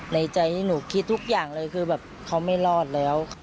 ในใจที่หนูคิดทุกอย่างเลยคือแบบเขาไม่รอดแล้ว